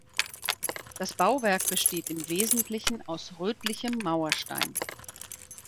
Das Bauwerk besteht im Wesentlichen aus rötlichem Mauerstein.